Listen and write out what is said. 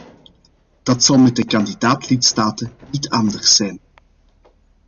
Dat zal met de kandidaat-lidstaten niet anders zijn.